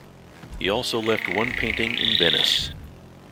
He also left one painting in Venice.